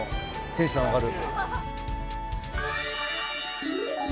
テンション上がる。